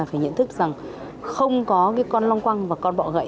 phải nhận thức rằng không có con long quăng và con bọ gậy